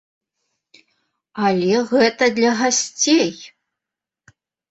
Але гэта для гасцей.